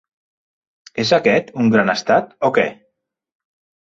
"És aquest un gran estat o què?"